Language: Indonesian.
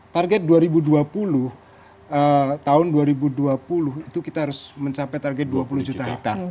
target dua ribu dua puluh tahun dua ribu dua puluh itu kita harus mencapai target dua puluh juta hektare